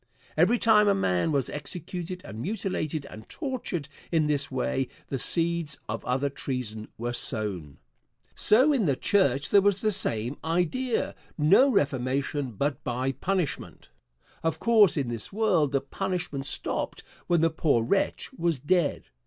Every time a man was executed and mutilated and tortured in this way the seeds of other treason were sown. So in the church there was the same idea. No reformation but by punishment. Of course in this world the punishment stopped when the poor wretch was dead.